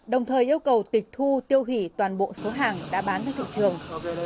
đồng thời yêu cầu tịch thu tiêu hủy toàn bộ số hàng đã bán ra thị trường